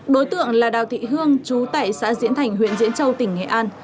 đối tượng là đào thị hương chú tại xã diễn thành huyện diễn châu tỉnh nghệ an